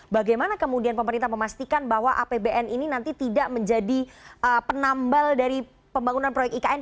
bagaimana kemudian pemerintah memastikan bahwa apbn ini nanti tidak menjadi penambal dari pembangunan proyek ikn